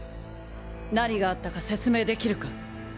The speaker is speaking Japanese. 何があったか説明できるか？